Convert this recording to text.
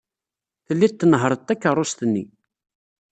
Telliḍ tnehhṛeḍ takeṛṛust-nni.